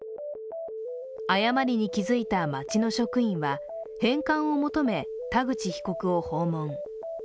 誤りに気づいた町の職員は返還を求め田口被告を訪問。